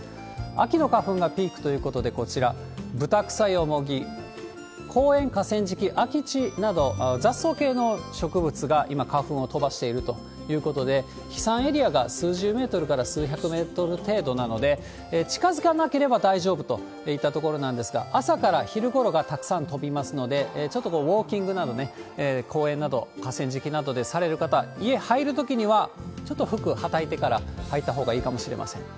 秋の花粉がピークということで、こちら、ブタクサ、ヨモギ、公園、河川敷、空き地など、雑草系の植物が、今、花粉を飛ばしているということで、飛散エリアが数十メートルから数百メートル程度なので、近づかなければ大丈夫といったところなんですが、朝から昼ごろがたくさん飛びますので、ちょっとウォーキングなど、公園など、河川敷などでされる方、家入るときには、ちょっと服はたいてから、入ったほうがいいかもしれません。